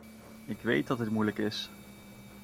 Ik weet dat dit moeilijk is.